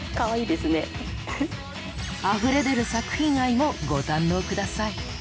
あふれ出る作品愛もご堪能下さい。